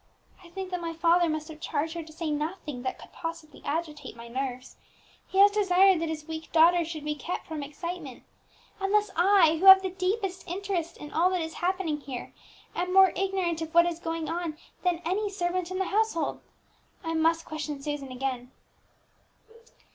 I think that my father must have charged her to say nothing that could possibly agitate my nerves. He has desired that his weak daughter should be kept from excitement; and thus I, who have the deepest interest in all that is happening here, am more ignorant of what is going on than any servant in the household. I must question Susan again."